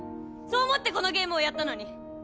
そう思ってこのゲームをやったのに。